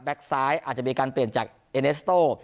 ซ้ายอาจจะมีการเปลี่ยนจากเอเนสโต้